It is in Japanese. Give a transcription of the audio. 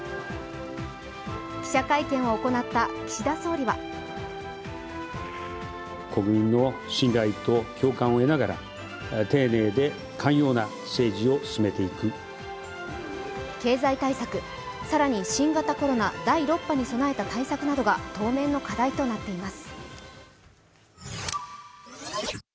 記者会見を行った岸田総理は経済対策、更に新型コロナ、第６波に備えた対策などが課題となっています。